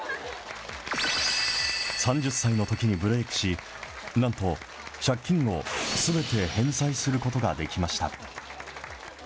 ３０歳のときにブレークし、なんと借金をすべて返済することができました。